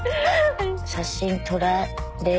写真撮られる。